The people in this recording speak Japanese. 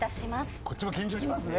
・こっちも緊張しますね。